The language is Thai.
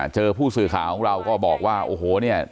เจอผู้สื่อข่าวของเราก็บอกว่าโอ้โหเนี่ย